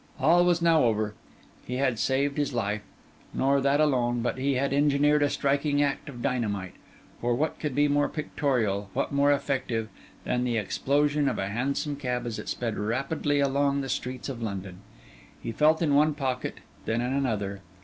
All was now over; he had saved his life; nor that alone, but he had engineered a striking act of dynamite; for what could be more pictorial, what more effective, than the explosion of a hansom cab, as it sped rapidly along the streets of London. He felt in one pocket; then in another.